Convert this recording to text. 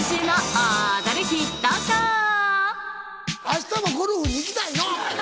明日もゴルフに行きたいの。